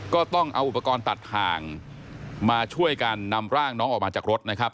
ก็ต้องเอาอุปกรณ์ตัดทางมาช่วยกันนำร่างน้องออกมาจากรถนะครับ